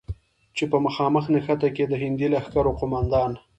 چې په مخامخ نښته کې د هندي لښکرو قوماندان،